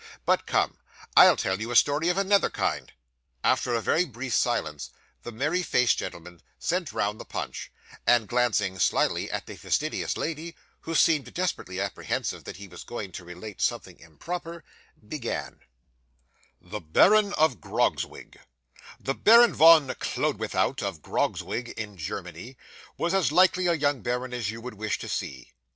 But come! I'll tell you a story of another kind.' After a very brief silence, the merry faced gentleman sent round the punch, and glancing slyly at the fastidious lady, who seemed desperately apprehensive that he was going to relate something improper, began THE BARON OF GROGZWIG 'The Baron Von Koeldwethout, of Grogzwig in Germany, was as likely a young baron as you would wish to see.